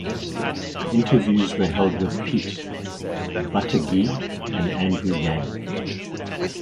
Interviews were held with Pete Buttigieg and Andrew Yang.